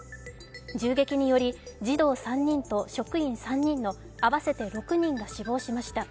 銃撃により児童３人と職員３人の合わせて６人が死亡しました。